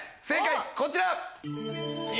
正解こちら。